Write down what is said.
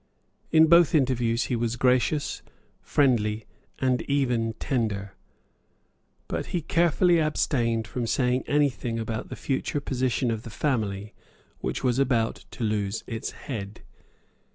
In both interviews he was gracious, friendly, and even tender. But he carefully abstained from saying anything about the future position of the family which was about to lose its head.